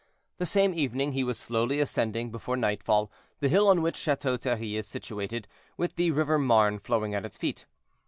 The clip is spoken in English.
The same evening, he was slowly ascending, before nightfall, the hill on which Chateau Thierry is situated, with the river Marne flowing at its feet.